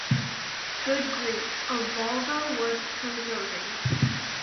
Good grief, a Volvo worth preserving.